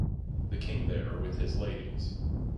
The King there with his ladies.